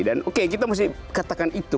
dan oke kita mesti katakan itu